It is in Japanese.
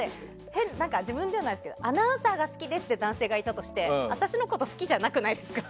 自分で言うのあれですけどアナウンサーが好きですっていう男性がいたとして私のこと好きじゃなくないですか？